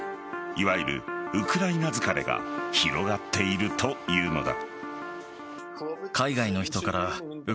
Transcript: いわゆるウクライナ疲れが広がっているというのだ。